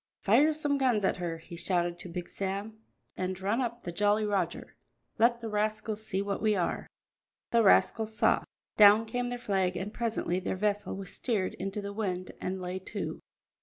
"Fire some guns at her," he shouted to Big Sam, "and run up the Jolly Roger; let the rascals see what we are." The rascals saw. Down came their flag, and presently their vessel was steered into the wind and lay to.